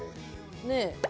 ねえ。